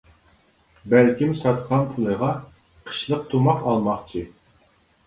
بەلكىم ساتقان پۇلىغا، قىشلىق تۇماق ئالماقچى.